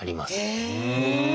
へえ！